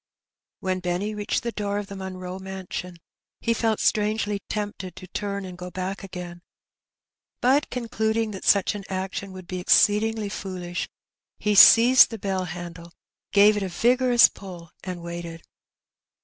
When Benny reached the door of the Monroe mansion^ he felt strongly tempted to tarn and go back again; bat concluding that sach an action would be exceedingly foolish^ he seized the bell handle, gave it a vigorous pull; and waited.